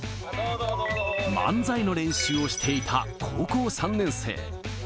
漫才の練習をしていた高校３年生。